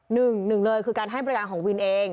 หนึ่งหนึ่งเลยคือการให้บริการของวินเอง